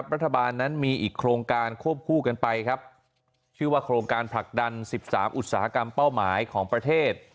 รัฐบาลนั้นมีอีกโครงการควบคู่กันไปครับชื่อว่าโครงการผลักดัน๑๓อุตสาหกรรมเป้าหมายของประเทศ